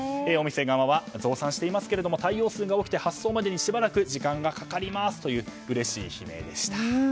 お店側は増産していますけれども対応数が多くて発送までにしばらく時間がかかりますとうれしい悲鳴でした。